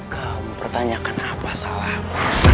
kau bertanyakan apa salahmu